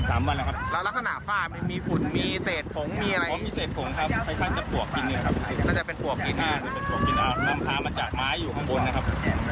อ่าเป็นปวกกินนำพามาจากไม้อยู่ข้างบนนะครับ